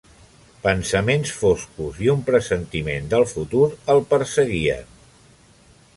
Pensaments foscos i un pressentiment del futur el perseguien.